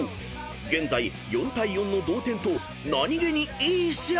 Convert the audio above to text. ［現在４対４の同点と何げにいい試合！］